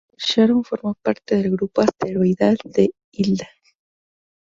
Sharon forma parte del grupo asteroidal de Hilda.